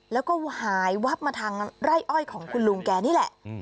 แล้วก็หายวับมาทางไร่อ้อยของคุณลุงแกนี่แหละ